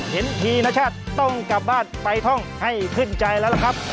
ทีนชาติต้องกลับบ้านไปท่องให้ขึ้นใจแล้วล่ะครับ